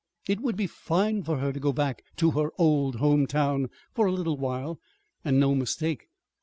It would be fine for her to go back to her old home town for a little while, and no mistake.